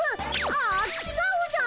ああちがうじゃろー。